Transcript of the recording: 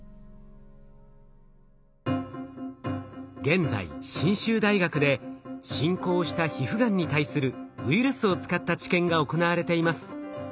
現在信州大学で進行した皮膚がんに対するウイルスを使った治験が行われています。